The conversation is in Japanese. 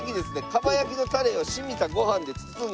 蒲焼きのタレが染みたご飯で包んだ。